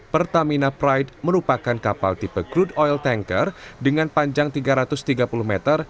pertamina pride merupakan kapal tipe crude oil tanker dengan panjang tiga ratus tiga puluh meter